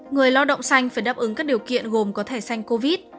người lao động xanh phải đáp ứng các điều kiện gồm có thể xanh covid